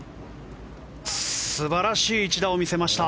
素晴らしい一打を見せました。